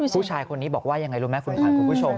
ผู้ชายคนนี้บอกว่ายังไงรู้ไหมคุณขวัญคุณผู้ชม